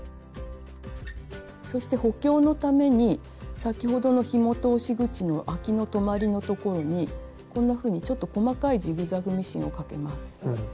そして補強のために先ほどのひも通し口のあきの止まりの所にこんなふうにちょっと細かいジグザグミシンをかけます。